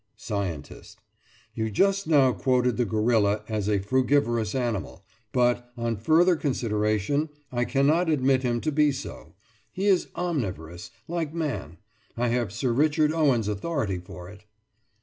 SCIENTIST: You just now quoted the gorilla as a frugivorous animal, but, on further consideration, I cannot admit him to be so. He is omnivorous—like man. I have Sir Richard Owen's authority for it.